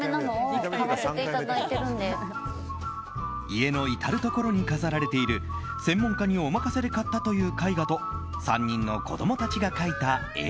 家の至るところに飾られている専門家にお任せで買ったという絵画と３人の子供たちが描いた絵。